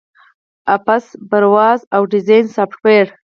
آفس، براوزر، او ډیزاین سافټویر